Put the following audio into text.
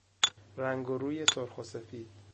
رنگ و روی سرخ و سفید